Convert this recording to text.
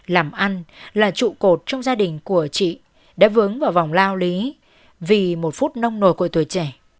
làm ăn là trụ cột trong gia đình của chị đã vướng vào vòng lao lý vì một phút nông nồi của tuổi trẻ